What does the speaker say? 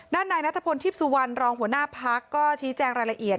นายนัทพลทิพย์สุวรรณรองหัวหน้าพักก็ชี้แจงรายละเอียด